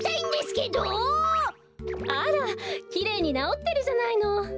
あらきれいになおってるじゃないの。